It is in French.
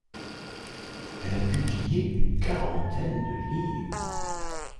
Elle a publié une quarantaine de livres.